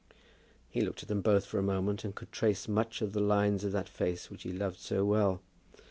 He looked at them both for a moment, and could trace much of the lines of that face which he loved so well.